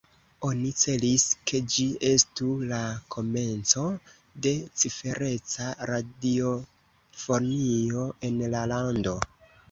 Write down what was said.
Oni celis, ke ĝi estu la komenco de cifereca radiofonio en la lando.